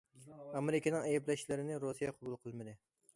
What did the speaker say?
ئامېرىكىنىڭ ئەيىبلەشلىرىنى رۇسىيە قوبۇل قىلمىدى.